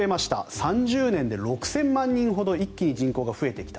３０年で６０００万人ほど一気に人口が増えてきた。